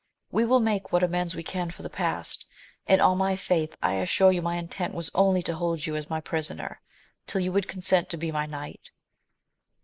137 will make what amends we can for the pastj and on my faith I assure you my intent was only to hold you as my prisoner, till you would consent to be my knight.